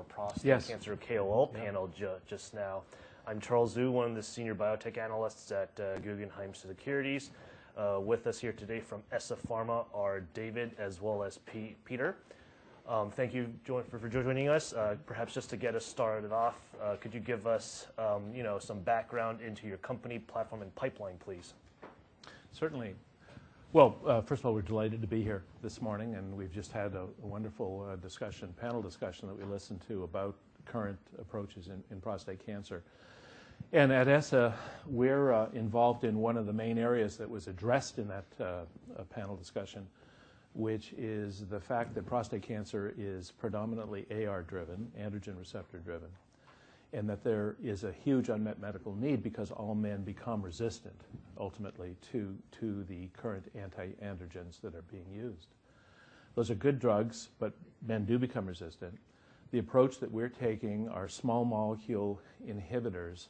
Our prostate cancer. Yes KOL panel just now. I'm Charles Zhu, one of the Senior Biotech Analyst at Guggenheim Securities. With us here today from ESSA Pharma are David as well as Peter. Thank you for joining us. Perhaps just to get us started off, could you give us, you know, some background into your company platform and pipeline, please? Certainly. Well, first of all, we're delighted to be here this morning, and we've just had a wonderful discussion, panel discussion that we listened to about current approaches in prostate cancer. At ESSA, we're involved in one of the main areas that was addressed in that panel discussion, which is the fact that prostate cancer is predominantly AR driven, androgen receptor driven, and that there is a huge unmet medical need because all men become resistant ultimately to the current anti-androgens that are being used. Those are good drugs, but men do become resistant. The approach that we're taking are small molecule inhibitors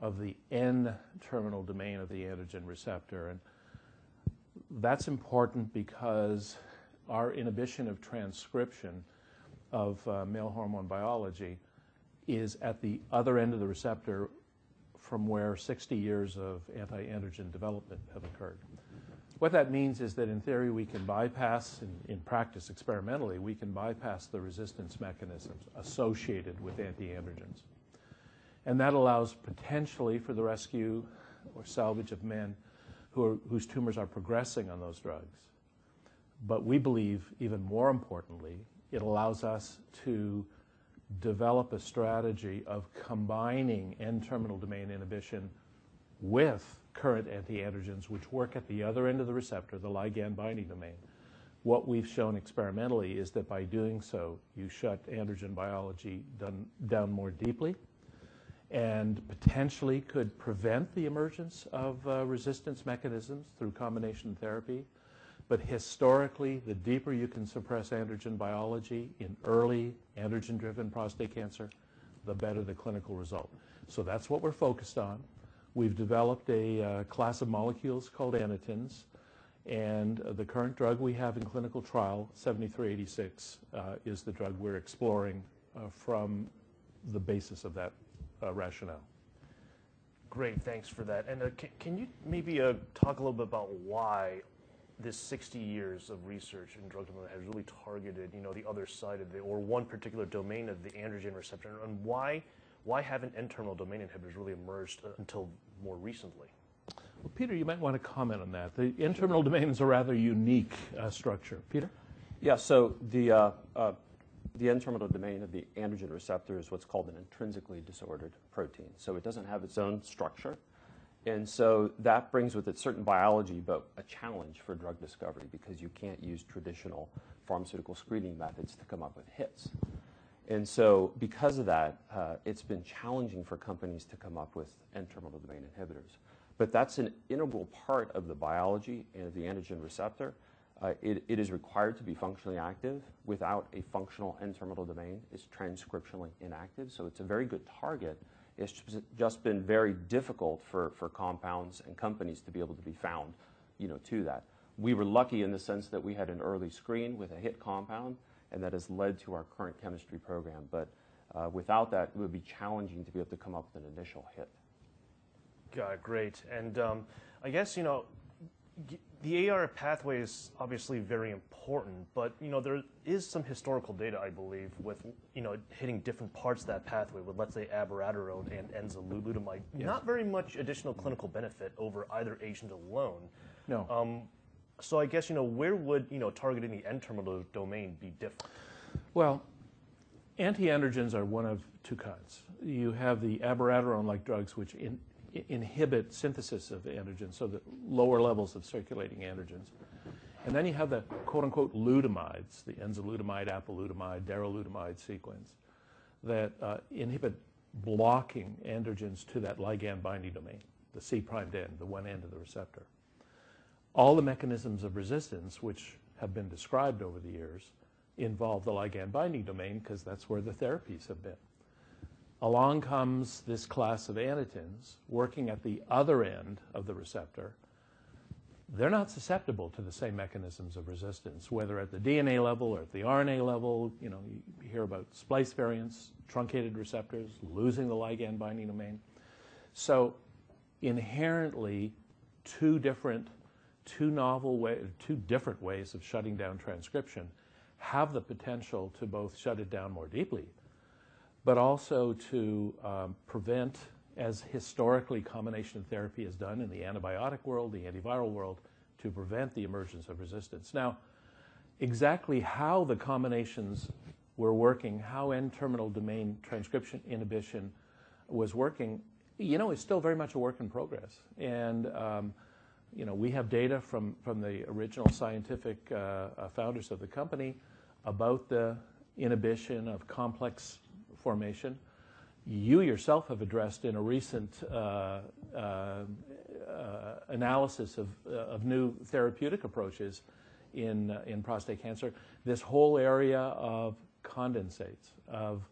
of the N-terminal domain of the androgen receptor, and that's important because our inhibition of transcription of male hormone biology is at the other end of the receptor from where 60 years of anti-androgen development have occurred. What that means is that in theory, we can bypass, in practice experimentally, we can bypass the resistance mechanisms associated with antiandrogens, and that allows potentially for the rescue or salvage of men whose tumors are progressing on those drugs. We believe, even more importantly, it allows us to develop a strategy of combining N-terminal domain inhibition with current antiandrogens, which work at the other end of the receptor, the ligand binding domain. What we've shown experimentally is that by doing so, you shut androgen biology down more deeply and potentially could prevent the emergence of resistance mechanisms through combination therapy. Historically, the deeper you can suppress androgen biology in early androgen-driven prostate cancer, the better the clinical result. That's what we're focused on. We've developed a class of molecules called anitens, and the current drug we have in clinical trial, 7386, is the drug we're exploring from the basis of that rationale. Great. Thanks for that. Can you maybe talk a little bit about why this 60 years of research in drug development has really targeted, you know, the other side of the... or one particular domain of the androgen receptor, and why haven't N-terminal domain inhibitors really emerged until more recently? Well, Peter, you might wanna comment on that. The N-terminal domain is a rather unique structure. Peter? Yeah. The N-terminal domain of the androgen receptor is what's called an intrinsically disordered protein. It doesn't have its own structure. That brings with it certain biology, but a challenge for drug discovery because you can't use traditional pharmaceutical screening methods to come up with hits. Because of that, it's been challenging for companies to come up with N-terminal domain inhibitors. That's an integral part of the biology and the androgen receptor. It is required to be functionally active. Without a functional N-terminal domain, it's transcriptionally inactive, so it's a very good target. It's just been very difficult for compounds and companies to be able to be found, you know, to that. We were lucky in the sense that we had an early screen with a hit compound, and that has led to our current chemistry program. Without that, it would be challenging to be able to come up with an initial hit. Got it. Great. I guess, you know, the AR pathway is obviously very important, but, you know, there is some historical data, I believe, with, you know, hitting different parts of that pathway with, let's say, abiraterone and enzalutamide. Yes. Not very much additional clinical benefit over either agent alone. No. I guess, you know, where would, you know, targeting the N-terminal domain be different? Anti-androgens are one of two kinds. You have the abiraterone-like drugs, which inhibit synthesis of the androgens, the lower levels of circulating androgens. You have the, quote-unquote, "lutamides," the enzalutamide, apalutamide, darolutamide sequence that inhibit blocking androgens to that ligand binding domain, the C-primed end, the one end of the receptor. All the mechanisms of resistance, which have been described over the years, involve the ligand binding domain because that's where the therapies have been. Along comes this class of anitens working at the other end of the receptor. They're not susceptible to the same mechanisms of resistance, whether at the DNA level or at the RNA level. You know, you hear about splice variants, truncated receptors, losing the ligand binding domain. Inherently, two different, two novel way, two different ways of shutting down transcription have the potential to both shut it down more deeply, but also to prevent, as historically combination therapy has done in the antibiotic world, the antiviral world, to prevent the emergence of resistance. Exactly how the combinations were working, how N-terminal domain transcription inhibition was working, you know, it's still very much a work in progress. You know, we have data from the original scientific founders of the company about the inhibition of complex formation. You yourself have addressed in a recent analysis of new therapeutic approaches in prostate cancer this whole area of condensates, of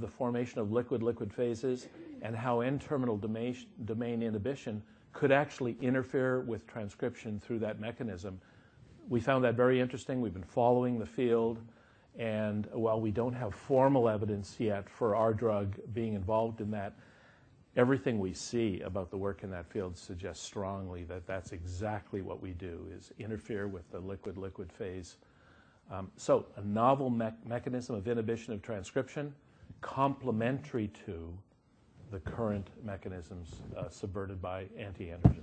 the formation of liquid-liquid phases and how N-terminal domain inhibition could actually interfere with transcription through that mechanism. We found that very interesting. We've been following the field, and while we don't have formal evidence yet for our drug being involved in that, everything we see about the work in that field suggests strongly that that's exactly what we do, is interfere with the liquid-liquid phase. A novel mechanism of inhibition of transcription, complementary to the current mechanisms, subverted by anti-androgens.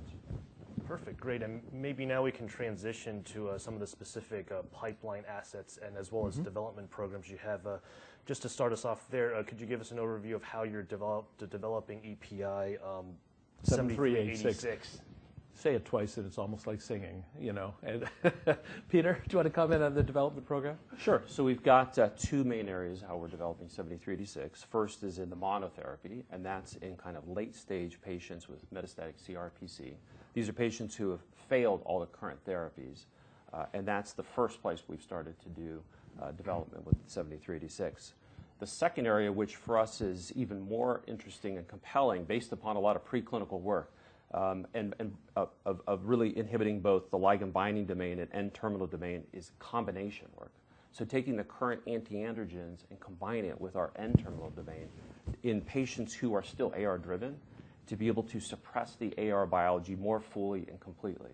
Perfect. Great. Maybe now we can transition to some of the specific pipeline assets. Mm-hmm. Development programs you have. just to start us off there, could you give us an overview of how you're developing EPI? 7386. 86. Say it twice, and it's almost like singing, you know? Peter, do you want to comment on the development program? Sure. We've got two main areas how we're developing EPI-7386. First is in the monotherapy, and that's in kind of late-stage patients with metastatic CRPC. These are patients who have failed all the current therapies, and that's the first place we've started to do development with EPI-7386. The second area, which for us is even more interesting and compelling based upon a lot of preclinical work, and of really inhibiting both the ligand binding domain and N-terminal domain is combination work. Taking the current anti-androgens and combining it with our N-terminal domain in patients who are still AR driven to be able to suppress the AR biology more fully and completely.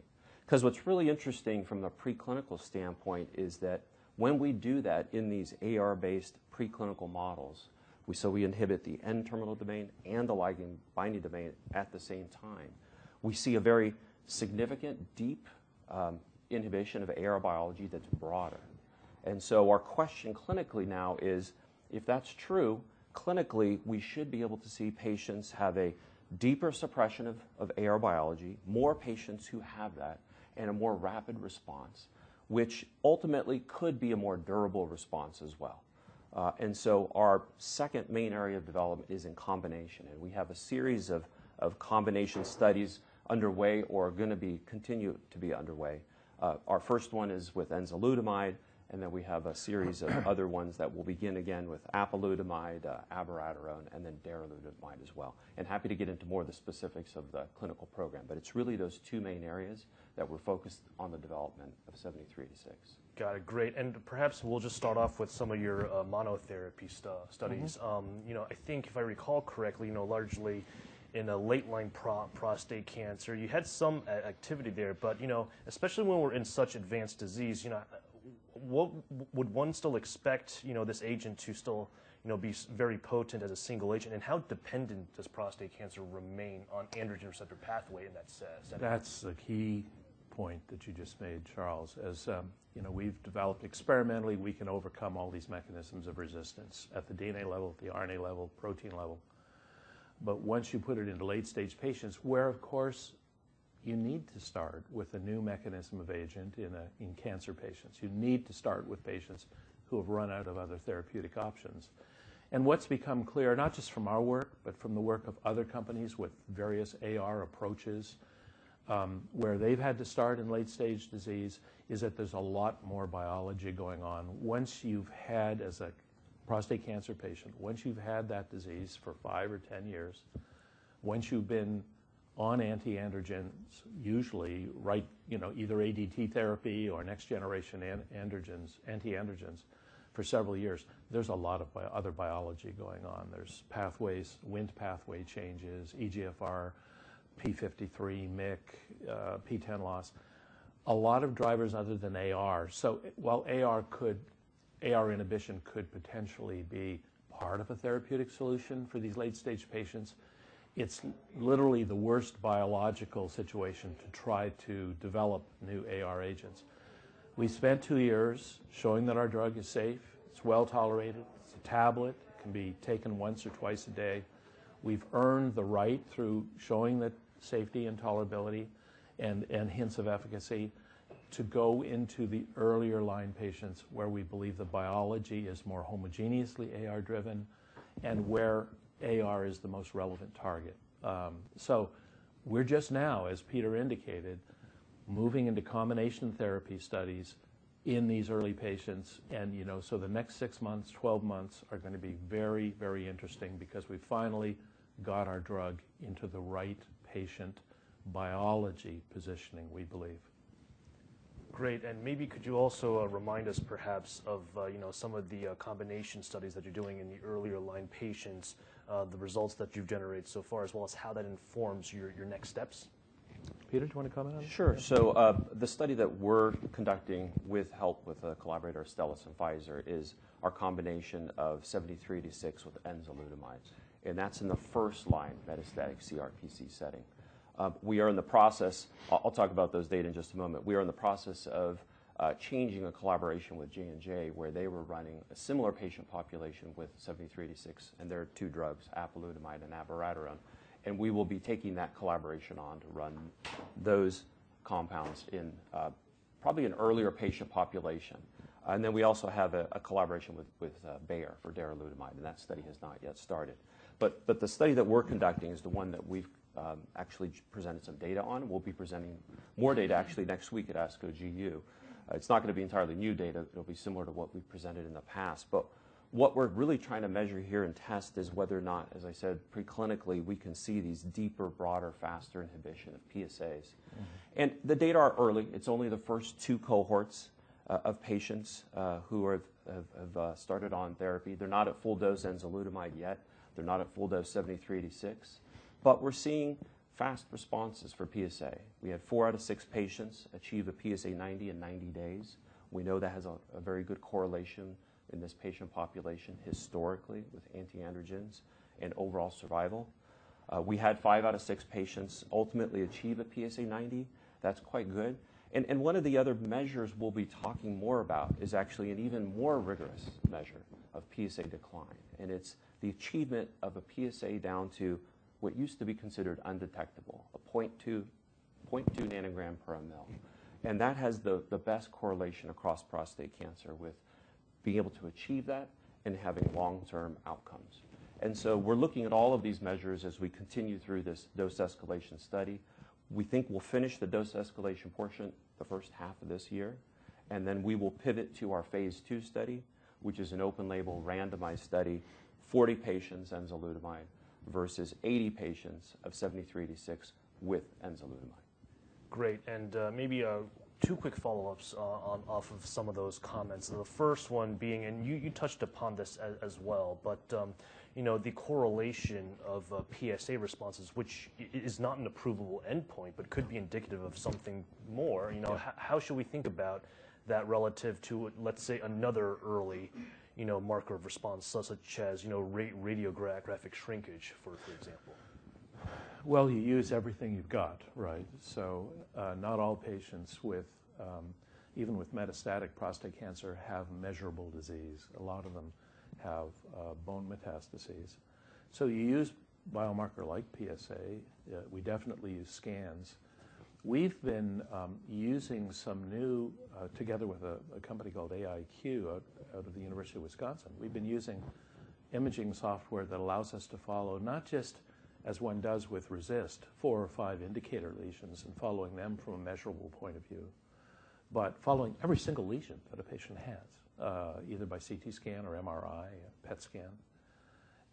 'Cause what's really interesting from the preclinical standpoint is that when we do that in these AR-based preclinical models, so we inhibit the N-terminal domain and the ligand binding domain at the same time. We see a very significant deep inhibition of AR biology that's broader. Our question clinically now is, if that's true, clinically, we should be able to see patients have a deeper suppression of AR biology, more patients who have that, and a more rapid response, which ultimately could be a more durable response as well. Our second main area of development is in combination, and we have a series of combination studies underway or gonna be continue to be underway. Our first one is with enzalutamide, and then we have a series of other ones that will begin again with apalutamide, abiraterone, and then darolutamide as well. Happy to get into more of the specifics of the clinical program, but it's really those two main areas that we're focused on the development of EPI-7386. Got it. Great. Perhaps we'll just start off with some of your monotherapy studies. Mm-hmm. You know, I think if I recall correctly, you know, largely in a late line prostate cancer, you had some activity there. Especially when we're in such advanced disease, you know, what would one still expect, you know, this agent to still, you know, be very potent as a single agent? How dependent does prostate cancer remain on androgen receptor pathway in that sense? That's the key point that you just made, Charles. As, you know, we've developed experimentally, we can overcome all these mechanisms of resistance at the DNA level, the RNA level, protein level. Once you put it into late-stage patients, where, of course, you need to start with a new mechanism of agent in cancer patients, you need to start with patients who have run out of other therapeutic options. What's become clear, not just from our work, but from the work of other companies with various AR approaches, where they've had to start in late-stage disease, is that there's a lot more biology going on. Once you've had, as a prostate cancer patient, once you've had that disease for five or 10 years, once you've been on anti-androgens, usually, you know, either ADT therapy or next generation anti-androgens for several years, there's a lot of other biology going on. There's pathways, Wnt pathway changes, EGFR, P53, MYC, PTEN loss, a lot of drivers other than AR. While AR inhibition could potentially be part of a therapeutic solution for these late-stage patients, it's literally the worst biological situation to try to develop new AR agents. We spent two years showing that our drug is safe. It's well-tolerated. It's a tablet. It can be taken once or twice a day. We've earned the right through showing that safety and tolerability and hints of efficacy to go into the earlier line patients where we believe the biology is more homogeneously AR driven and where AR is the most relevant target. We're just now, as Peter indicated, moving into combination therapy studies in these early patients and, you know, so the next six months, 12 months are gonna be very, very interesting because we finally got our drug into the right patient biology positioning, we believe. Great. Maybe could you also remind us perhaps of, you know, some of the combination studies that you're doing in the earlier line patients, the results that you've generated so far, as well as how that informs your next steps? Peter, do you wanna comment on it? Sure. The study that we're conducting with help with a collaborator, Astellas on Pfizer, is our combination of EPI-7386 with enzalutamide, and that's in the first-line metastatic CRPC setting. We are in the process. I'll talk about those data in just a moment. We are in the process of changing a collaboration with J&J, where they were running a similar patient population with EPI-7386, and there are two drugs, apalutamide and abiraterone, and we will be taking that collaboration on to run those compounds in probably an earlier patient population. We also have a collaboration with Bayer for darolutamide, and that study has not yet started. The study that we're conducting is the one that we've actually presented some data on. We'll be presenting more data actually next week at ASCO GU. It's not gonna be entirely new data. It'll be similar to what we've presented in the past. What we're really trying to measure here and test is whether or not, as I said, preclinically, we can see these deeper, broader, faster inhibition of PSAs. Mm-hmm. The data are early. It's only the first two cohorts of patients who are started on therapy. They're not at full dose enzalutamide yet. They're not at full dose EPI-7386. We're seeing fast responses for PSA. We had four out of nine patients achieve a PSA90 in 90 days. We know that has a very good correlation in this patient population historically with anti-androgens and overall survival. We had five out of six patients ultimately achieve a PSA90. That's quite good. One of the other measures we'll be talking more about is actually an even more rigorous measure of PSA decline, and it's the achievement of a PSA down to what used to be considered undetectable, a 0.2 nanogram per ml. That has the best correlation across prostate cancer with being able to achieve that and having long-term outcomes. So we're looking at all of these measures as we continue through this dose escalation study. We think we'll finish the dose escalation portion the first half of this year, then we will pivot to our phase II study, which is an open label randomized study, 40 patients enzalutamide versus 80 patients of 7386 with enzalutamide. Great. maybe, two quick follow-ups on off of some of those comments. The first one being, and you touched upon this as well, but, you know, the correlation of, PSA responses, which is not an approvable endpoint but could be indicative of something more, you know. Yeah. How should we think about that relative to, let's say, another early, you know, marker of response, such as, you know, radiographic shrinkage for example? You use everything you've got, right? Not all patients with even with metastatic prostate cancer have measurable disease. A lot of them have bone metastases. You use biomarker like PSA. We definitely use scans. We've been using some new together with a company called AIQ out of the University of Wisconsin. We've been using imaging software that allows us to follow not just as one does with RECIST, four or five indicator lesions and following them from a measurable point of view, but following every single lesion that a patient has either by CT scan or MRI, a PET scan.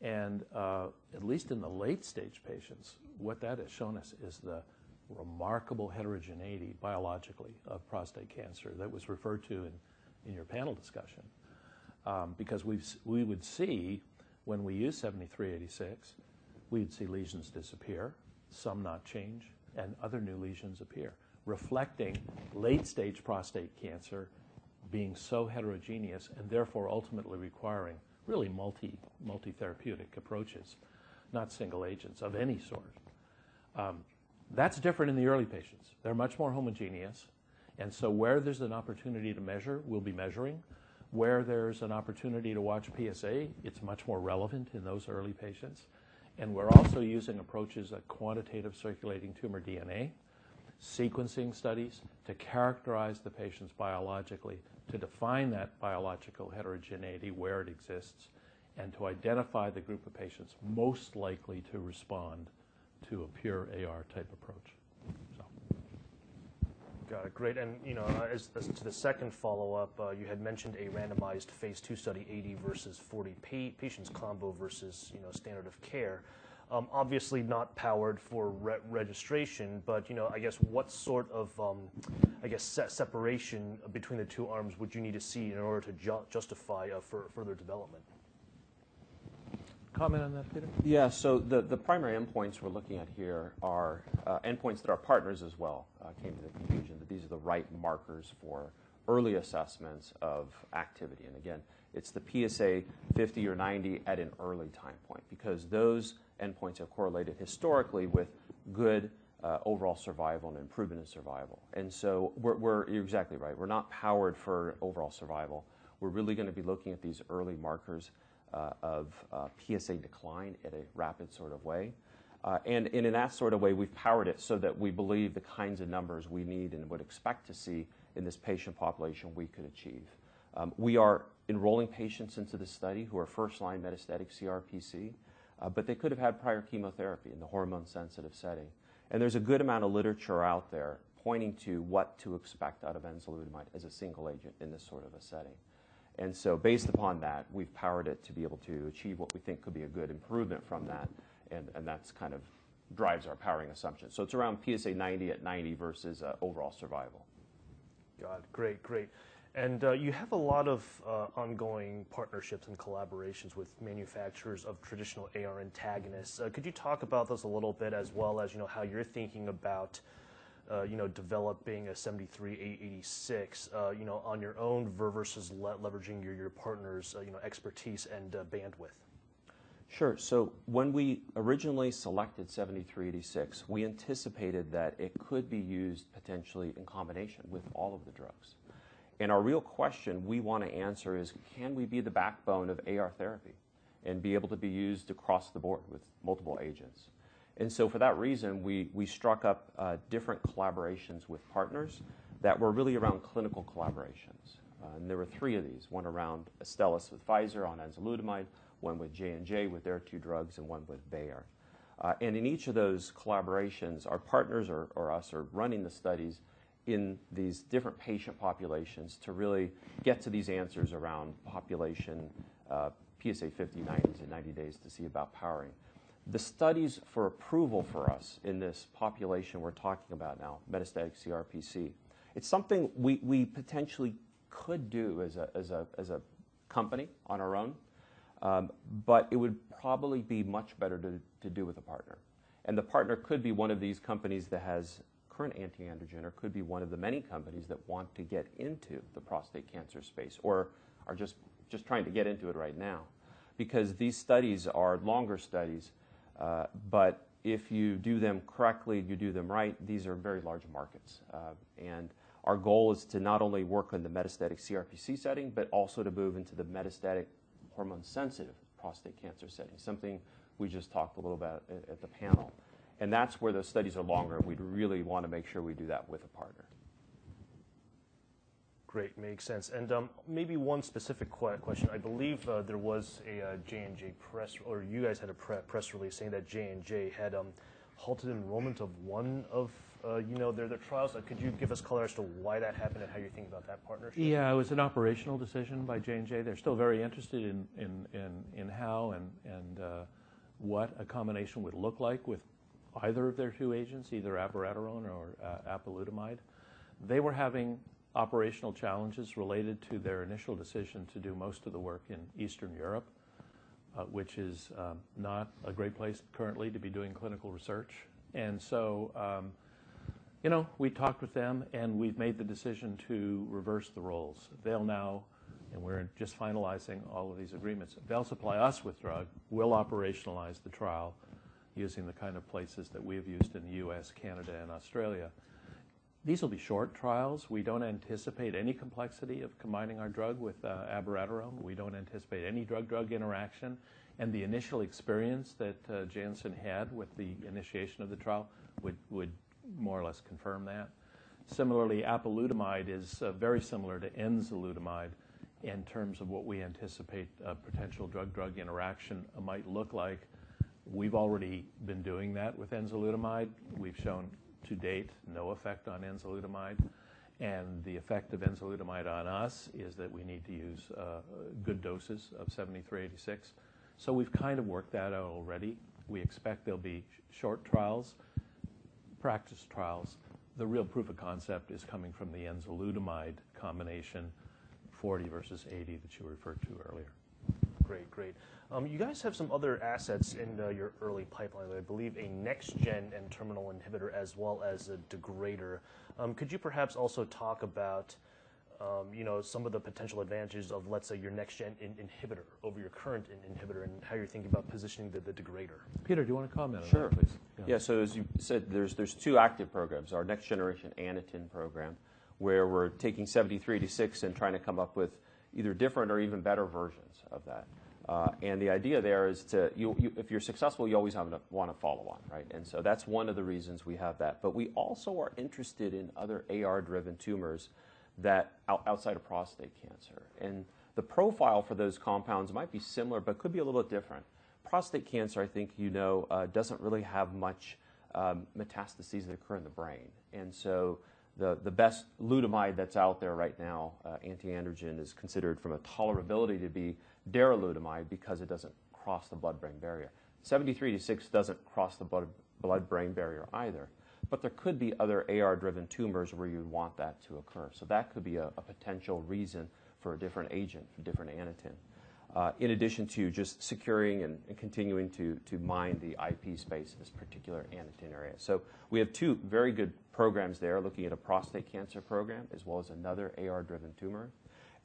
At least in the late stage patients, what that has shown us is the remarkable heterogeneity biologically of prostate cancer that was referred to in your panel discussion. Because we would see when we use EPI-7386, we'd see lesions disappear, some not change, and other new lesions appear, reflecting late stage prostate cancer being so heterogeneous and therefore ultimately requiring really multi-therapeutic approaches, not single agents of any sort. That's different in the early patients. They're much more homogeneous. Where there's an opportunity to measure, we'll be measuring. Where there's an opportunity to watch PSA, it's much more relevant in those early patients. We're also using approaches like quantitative circulating tumor DNA, sequencing studies to characterize the patients biologically, to define that biological heterogeneity where it exists, and to identify the group of patients most likely to respond to a pure AR type approach. Got it. Great. You know, as to the second follow-up, you had mentioned a randomized phase II study, 80 versus 40 patients combo versus, you know, standard of care. Obviously not powered for re-registration, but, you know, I guess what sort of, I guess separation between the two arms would you need to see in order to justify, for further development? Comment on that, Peter? Yeah. The, the primary endpoints we're looking at here are endpoints that our partners as well came to the conclusion that these are the right markers for early assessments of activity. Again, it's the PSA50 or PSA90 at an early time point, because those endpoints have correlated historically with good overall survival and improvement in survival. You're exactly right. We're not powered for overall survival. We're really gonna be looking at these early markers of PSA decline at a rapid sort of way. In that sort of way, we've powered it so that we believe the kinds of numbers we need and would expect to see in this patient population we could achieve. We are enrolling patients into this study who are first-line metastatic CRPC, but they could have had prior chemotherapy in the hormone-sensitive setting. There's a good amount of literature out there pointing to what to expect out of enzalutamide as a single agent in this sort of a setting. Based upon that, we've powered it to be able to achieve what we think could be a good improvement from that, and that's kind of drives our powering assumption. It's around PSA90 at 90 versus overall survival. Got it. Great. You have a lot of ongoing partnerships and collaborations with manufacturers of traditional AR antagonists. Could you talk about those a little bit as well as, you know, how you're thinking about, you know, developing EPI-7386, you know, on your own versus leveraging your partners' expertise and bandwidth? Sure. When we originally selected EPI-7386, we anticipated that it could be used potentially in combination with all of the drugs. Our real question we want to answer is, can we be the backbone of AR therapy and be able to be used across the board with multiple agents? For that reason, we struck up different collaborations with partners that were really around clinical collaborations. There were three of these, one around Astellas with Pfizer on enzalutamide, one with J&J with their two drugs, and one with Bayer. In each of those collaborations, our partners or us are running the studies in these different patient populations to really get to these answers around population, PSA50, 90s in 90 days to see about powering. The studies for approval for us in this population we're talking about now, metastatic CRPC, it's something we potentially could do as a company on our own. It would probably be much better to do with a partner. The partner could be one of these companies that has current anti-androgen or could be one of the many companies that want to get into the prostate cancer space or are just trying to get into it right now. These studies are longer studies. If you do them correctly and you do them right, these are very large markets. Our goal is to not only work on the metastatic CRPC setting but also to move into the metastatic hormone-sensitive prostate cancer setting, something we just talked a little about at the panel. That's where those studies are longer. We'd really wanna make sure we do that with a partner. Great. Makes sense. Maybe one specific question. I believe you guys had a pre-press release saying that J&J had halted enrollment of one of their trials. Could you give us color as to why that happened and how you think about that partnership? Yeah. It was an operational decision by J&J. They're still very interested in how and what a combination would look like with either of their two agents, either abiraterone or apalutamide. They were having operational challenges related to their initial decision to do most of the work in Eastern Europe, which is not a great place currently to be doing clinical research. You know, we talked with them, and we've made the decision to reverse the roles. They'll now, and we're just finalizing all of these agreements, they'll supply us with drug. We'll operationalize the trial using the kind of places that we have used in the U.S., Canada and Australia. These will be short trials. We don't anticipate any complexity of combining our drug with abiraterone. We don't anticipate any drug-drug interaction, and the initial experience that Janssen had with the initiation of the trial would more or less confirm that. Similarly, apalutamide is very similar to enzalutamide in terms of what we anticipate a potential drug-drug interaction might look like. We've already been doing that with enzalutamide. We've shown to date no effect on enzalutamide, and the effect of enzalutamide on us is that we need to use good doses of 7386. So we've kind of worked that out already. We expect they'll be short trials, practice trials. The real proof of concept is coming from the enzalutamide combination, 40 versus 80 that you referred to earlier. Great. Great. You guys have some other assets in your early pipeline. I believe a next gen N-terminal inhibitor as well as a degrader. Could you perhaps also talk about, you know, some of the potential advantages of, let's say, your next gen N-inhibitor over your current N-inhibitor and how you're thinking about positioning the degrader? Peter, do you wanna comment on that please? Sure. Yeah. As you said, there's two active programs. Our next generation Aniten program, where we're taking EPI-7386 and trying to come up with either different or even better versions of that. The idea there is to. If you're successful, you always wanna follow on, right? That's one of the reasons we have that. We also are interested in other AR-driven tumors outside of prostate cancer. The profile for those compounds might be similar but could be a little bit different. Prostate cancer, I think you know, doesn't really have much metastases that occur in the brain. The best lutamide that's out there right now, anti-androgen is considered from a tolerability to be darolutamide because it doesn't cross the blood-brain barrier. 7386 doesn't cross the blood-brain barrier either, but there could be other AR-driven tumors where you'd want that to occur. That could be a potential reason for a different agent, a different Aniten, in addition to just securing and continuing to mine the IP space in this particular Aniten area. We have two very good programs there looking at a prostate cancer program as well as another AR-driven tumor.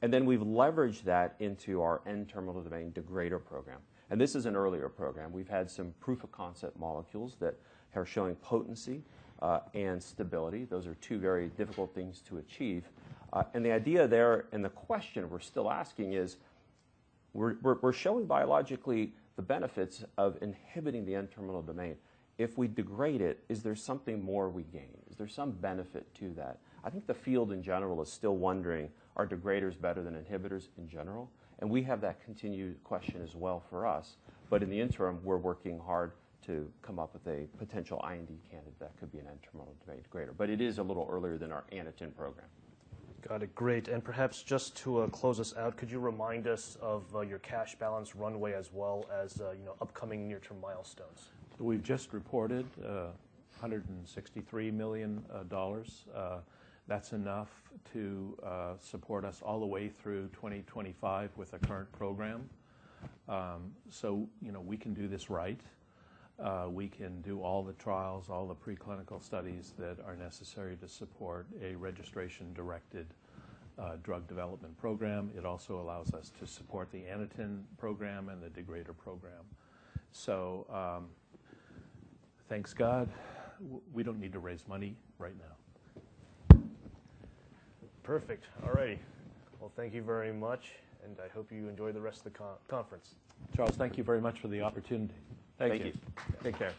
We've leveraged that into our N-terminal domain degrader program, and this is an earlier program. We've had some proof of concept molecules that are showing potency and stability. Those are two very difficult things to achieve. The idea there and the question we're still asking is we're showing biologically the benefits of inhibiting the N-terminal domain. If we degrade it, is there something more we gain? Is there some benefit to that? I think the field in general is still wondering, are degraders better than inhibitors in general? We have that continued question as well for us. In the interim, we're working hard to come up with a potential IND candidate that could be an N-terminal domain degrader. It is a little earlier than our Aniten program. Got it. Great. Perhaps just to close us out, could you remind us of your cash balance runway as well as, you know, upcoming near-term milestones? We've just reported $163 million. That's enough to support us all the way through 2025 with the current program. You know, we can do this right. We can do all the trials, all the preclinical studies that are necessary to support a registration-directed drug development program. It also allows us to support the Aniten program and the degrader program. Thanks God, we don't need to raise money right now. Perfect. All right. Well, thank you very much, and I hope you enjoy the rest of the conference. Charles, thank you very much for the opportunity. Thank you. Take care.